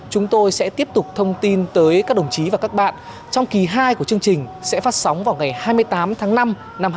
chúng tôi sẽ tiếp tục thông tin tới các đồng chí và các bạn trong kỳ hai của chương trình sẽ phát sóng vào ngày hai mươi tám tháng năm năm hai nghìn hai mươi